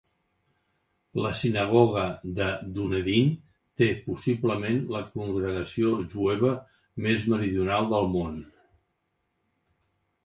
La sinagoga de Dunedin té possiblement la congregació jueva més meridional del món.